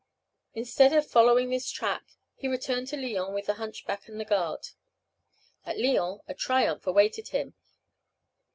Instead of following this track, he returned to Lyons with the hunchback and the guard. At Lyons a triumph awaited him.